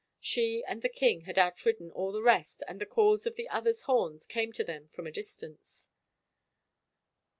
She and the king had outridden all the rest and the calls of the others' horns came to them from a dis tance.